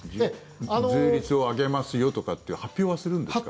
税率を上げますよとかという発表はするんですか？